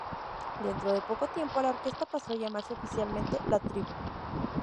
Dentro de poco tiempo la orquesta pasó a llamarse oficialmente La Tribu.